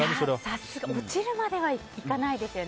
落ちるまではいかないですよね。